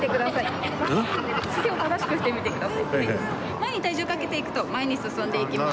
前に体重かけていくと前に進んでいきます。